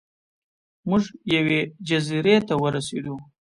موږ یوې جزیرې ته ورسیدو.